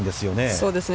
そうですね。